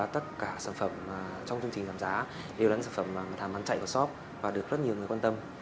tất cả sản phẩm trong chương trình giảm giá đều là sản phẩm tham bán chạy của shop và được rất nhiều người quan tâm